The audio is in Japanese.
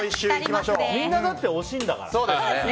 みんな、だって惜しいんだから。